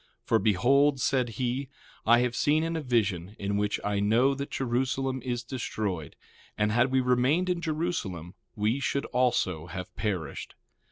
1:4 For, behold, said he, I have seen a vision, in which I know that Jerusalem is destroyed; and had we remained in Jerusalem we should also have perished.